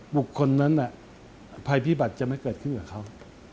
บุคคลนั้นภัยพิบัติจะไม่เกิดขึ้นกับเขา